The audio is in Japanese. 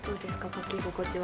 書き心地は。